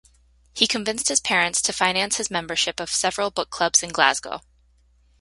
He convinced his parents to finance his membership of several book clubs in Glasgow.